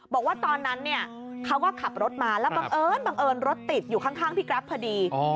บอกว่าตอนนั้นเนี่ยเขาก็ขับรถมาแล้วบังเอิญบังเอิญรถติดอยู่ข้างพี่กราฟพอดี